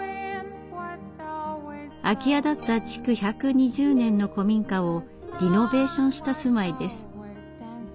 空き家だった築１２０年の古民家をリノベーションした住まいです。